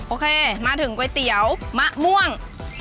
โอเคมาถึงก๋วยเตี๋ยวมะม่วง